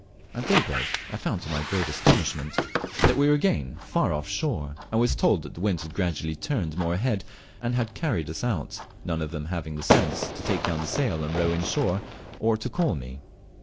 At daybreak I found, to my great astonishment, that we were again far off shore, and was told that the wind had gradually turned more ahead, and had carried us out none of them having the sense to take down the sail and row in shore, or to call me.